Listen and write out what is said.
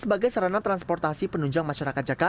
sebenarnya tanpa terhentung dalamnya